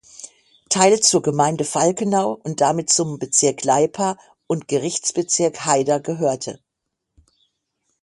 Teil zur Gemeinde Falkenau und damit zum Bezirk Leipa und Gerichtsbezirk Haida gehörte.